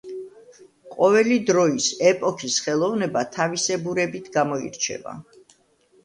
ყოველი დროის, ეპოქის ხელოვნება თავისებურებით გამოირჩევა.